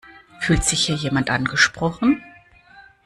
Fühlt sich hier jemand angesprochen?